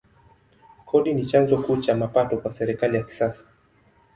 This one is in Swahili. Kodi ni chanzo kuu cha mapato kwa serikali ya kisasa.